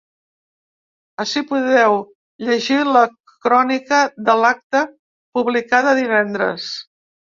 Ací podeu llegir la crònica de l’acte publicada divendres.